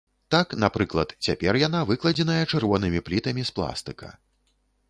Так, напрыклад, цяпер яна выкладзеная чырвонымі плітамі з пластыка.